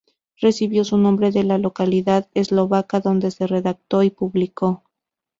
Recibió su nombre de la localidad eslovaca donde se redactó y publicó.